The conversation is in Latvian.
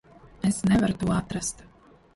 Es nevaru to atrast.